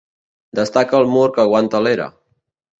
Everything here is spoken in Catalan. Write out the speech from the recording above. Destaca el mur que aguanta l'era.